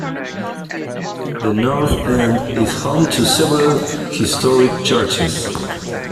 The North End is home to several historic churches.